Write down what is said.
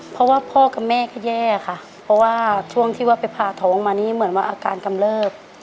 เพราะว่าพ่อกับแม่ก็แย่ค่ะเพราะว่าช่วงที่ว่าไปพาท้องมานี่เหมือนว่าอาการกำเลิบ